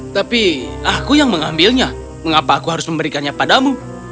tapi aku yang mengambilnya mengapa aku harus memberikannya padamu